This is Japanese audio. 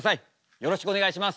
よろしくお願いします。